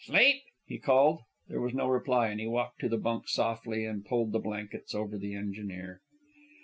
"'Sleep?" he called. There was no reply, and he walked to the bunk softly and pulled the blankets over the engineer.